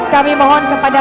kami mohon kepada